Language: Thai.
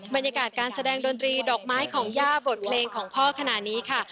บรรยากาศการแสดงดนตรีดอกไม้ของย่าบทเพลงของพ่อขณะนี้ค่ะ